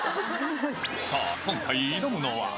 さあ、今回、挑むのは。